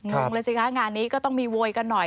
งงเลยสิคะงานนี้ก็ต้องมีโวยกันหน่อย